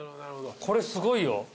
これすごいよ。